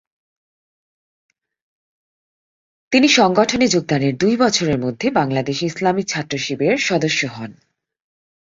তিনি সংগঠনে যোগদানের দুই বছরের মধ্যে বাংলাদেশ ইসলামী ছাত্র শিবিরের 'সদস্য' হন।